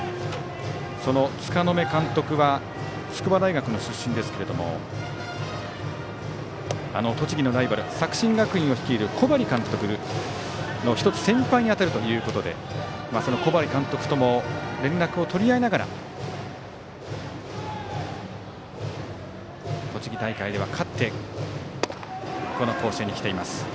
その柄目監督は筑波大学の出身ですけどもあの栃木のライバル作新学院を率いる小針監督の先輩にあたるということでその小針監督とも連絡を取り合いながら栃木大会では勝ってこの甲子園に来ています。